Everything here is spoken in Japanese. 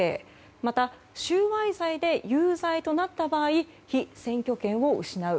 また、収賄罪で有罪となった場合被選挙権を失う。